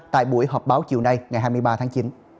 tại buổi họp báo chiều nay ngày hai mươi ba tháng chín